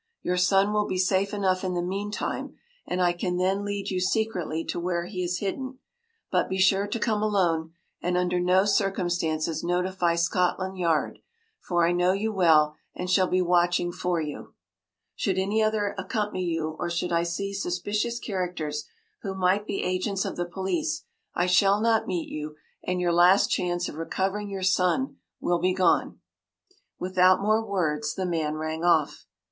Your son will be safe enough in the meantime, and I can then lead you secretly to where he is hidden. But be sure to come alone, and under no circumstances notify Scotland Yard, for I know you well and shall be watching for you. “Should any other accompany you, or should I see suspicious characters who might be agents of the police, I shall not meet you, and your last chance of recovering your son will be gone.” Without more words the man rang off.